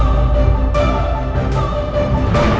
tidak ada daya